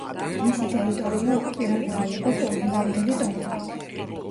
მისი ტერიტორია ოკუპირებული იყო კოლუმბამდელი ტომებით.